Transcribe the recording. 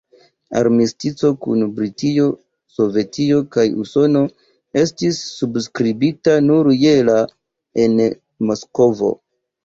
Armistico kun Britio, Sovetio kaj Usono estis subskribita nur je la en Moskvo.